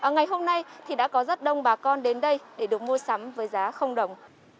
ngày hôm nay thì đã có rất đông bà con đến đây để được mua sắm với giá không đồng